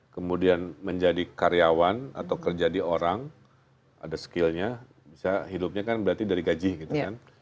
kemudian menjadi karyawan atau kerja di orang ada skillnya bisa hidupnya kan berarti dari gaji gitu kan